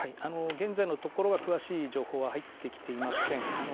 現在のところは、詳しい情報は入ってきていません。